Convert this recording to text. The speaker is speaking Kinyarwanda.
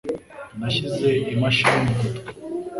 Nashyize imashini mu gutwi.